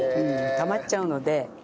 たまっちゃうので。